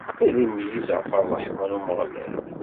Ad imeyyez ɣef ṛṛeḥma n Umeɣlal.